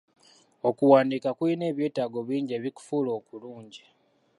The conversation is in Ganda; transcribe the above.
Okuwandiika kulina ebyetaago bingi ebikufuula okulungi.